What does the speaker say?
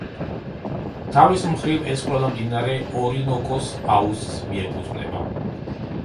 თავის მხრივ, ეს ყველა მდინარე ორინოკოს აუზს მიკეუთვნება.